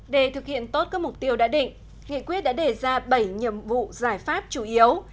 để thực hiện tốt các mục tiêu đã định nghị quyết đã đề ra bảy nhiệm vụ giải pháp chủ yếu